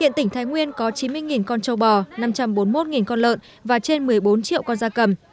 hiện tỉnh thái nguyên có chín mươi con trâu bò năm trăm bốn mươi một con lợn và trên một mươi bốn triệu con da cầm